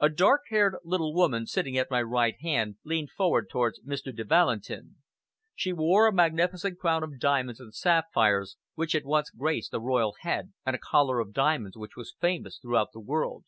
A dark haired, little woman, sitting at my right hand, leaned forward towards Mr. de Valentin. She wore a magnificent crown of diamonds and sapphires, which had once graced a Royal head, and a collar of diamonds which was famous throughout the world.